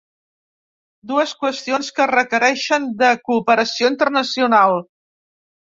Dues qüestions que requereixen de cooperació internacional.